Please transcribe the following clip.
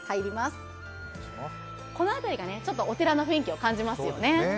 この辺りがちょっとお寺の雰囲気を感じますよね。